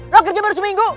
lo kerja baru seminggu